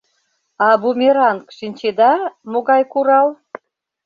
А бумеранг, шинчеда, могай курал?